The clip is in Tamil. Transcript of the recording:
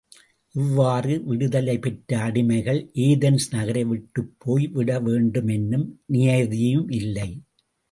இவ்வாறு விடுதலை பெற்ற அடிமைகள் ஏதென்ஸ் நகரை விட்டுப் போய் விடவேண்டுமென்னும் நியதியும் இல்லை.